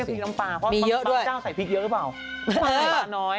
พี่เรียกว่าพริกน้ำปลาพริก